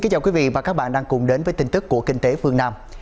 xin chào quý vị và các bạn đang cùng đến với tin tức của kinh tế phương nam